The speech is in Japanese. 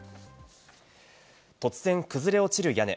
突然崩れ落ちる屋根。